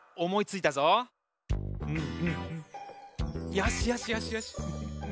よしよしよしよし。